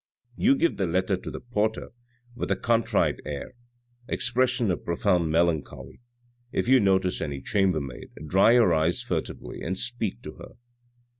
You give the letter to the porter with a contrite air ; expression of profound melancholy. If you notice any chambermaid, dry your eyes furtively and speak to her."